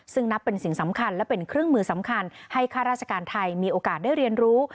ซึ่งนับเป็นสิ่งสำคัญและเป็นเครื่องมือสำคัญให้ข้าราชการไทยมีโอกาสได้เรียนรู้